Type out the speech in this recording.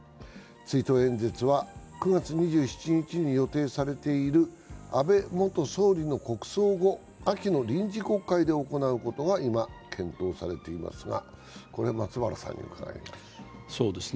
追悼演説は９月２７日に予定されている安倍元総理の国葬後、秋の臨時国会で行うことが今、検討されていますが、これは松原さんに伺います。